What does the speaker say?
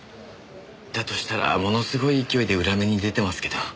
だとしたらものすごい勢いで裏目に出てますけど。